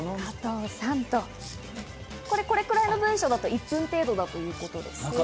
これくらいの文章だと１分程度だということです。